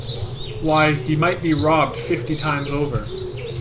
Why, he might be robbed fifty times over!